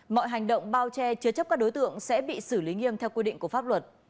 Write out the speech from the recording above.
mọi hành động bao che chứa chấp các đối tượng sẽ bị xử lý nghiêm theo quy định của pháp luật